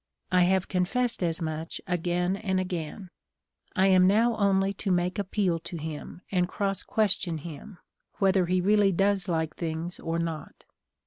I have confessed as much again and again; I am now only to make appeal to him, and cross question him, whether he really does like things or not.